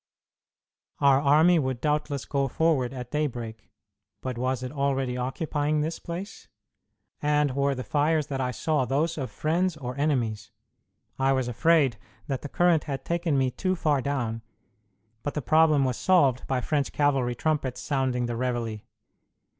Our army would doubtless go forward at daybreak, but was it already occupying this place? And were the fires that I saw those of friends or enemies? I was afraid that the current had taken me too far down, but the problem was solved by French cavalry trumpets sounding the reveillé.